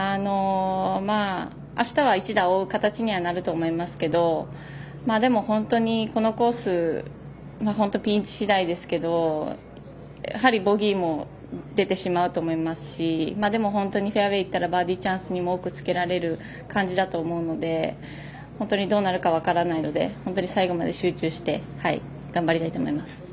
あしたは１打を追う形にはなると思いますけど、本当にこのコースピン位置次第ですけどやはりボギーも出てしまうと思いますし本当にフェアウェーいったらバーディーチャンスにもつけられる感じだと思うのでどうなるか分からないので最後まで集中して頑張りたいと思います。